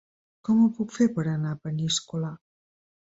Com ho puc fer per anar a Peníscola?